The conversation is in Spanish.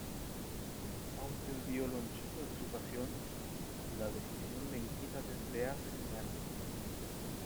Aunque el violonchelo es su pasión, la decisión le inquieta desde hace semanas.